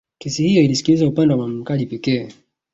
Kesi hiyo ilisikilizwa upande wa mlalamikaji pekee